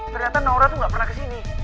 ternyata naura tuh nggak pernah kesini